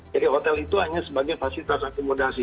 jadi hotel itu hanya sebagai fasilitas akumulasi